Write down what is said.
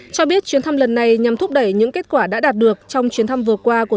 cho biết chuyến thăm lần này nhằm thúc đẩy những kết quả đã đạt được trong chuyến thăm vừa qua của